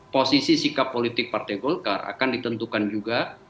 posisi sikap politik partai golkar akan ditentukan juga